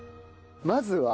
まずは？